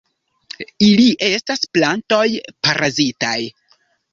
Ili estas plantoj parazitaj.